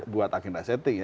buat agenda setting ya